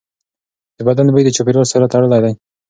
د بدن بوی د چاپېریال سره تړلی دی.